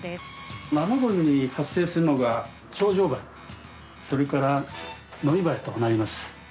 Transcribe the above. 生ごみに発生するのがショウジョウバエそれからノミバエとかになります。